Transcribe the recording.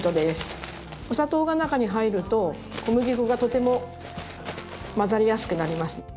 お砂糖が中に入ると小麦粉がとても混ざりやすくなります。